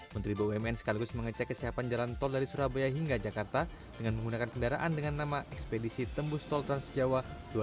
menteri bumn sekaligus mengecek kesiapan jalan tol dari surabaya hingga jakarta dengan menggunakan kendaraan dengan nama ekspedisi tembus tol trans jawa dua ribu dua puluh